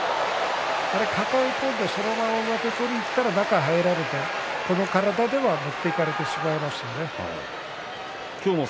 抱え込んでそのまま上手を取りにいったらこの体では中に入られて持っていかれてしまうんですね。